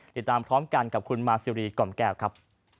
ติดตามพร้อมกันกับคุณมาซิรีกล่อมแก้วครับ